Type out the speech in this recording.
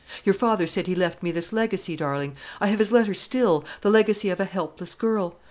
Your father said he left me this legacy, darling, I have his letter still, the legacy of a helpless girl.